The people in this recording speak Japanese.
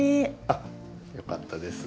あっよかったです。